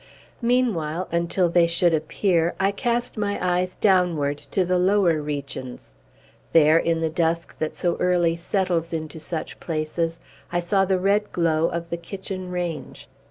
Meanwhile, until they should appear, I cast my eyes downward to the lower regions. There, in the dusk that so early settles into such places, I saw the red glow of the kitchen range.